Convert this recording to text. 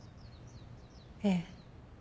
ええ。